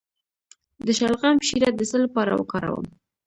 د شلغم شیره د څه لپاره وکاروم؟